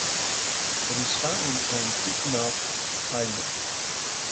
It is found on Goodenough Island.